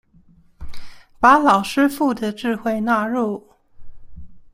把老師傅的智慧納入